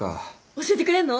教えてくれんの？